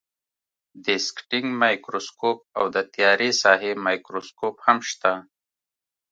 دیسکټینګ مایکروسکوپ او د تیارې ساحې مایکروسکوپ هم شته.